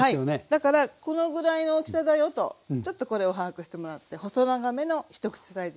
だからこのぐらいの大きさだよとちょっとこれを把握してもらって細長めの一口サイズに切っていきます。ね。